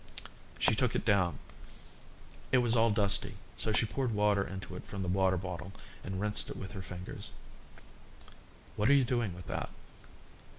She took it down. It was all dusty, so she poured water into it from the water bottle, and rinsed it with her fingers. "What are you doing with that?"